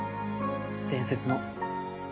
伝説の。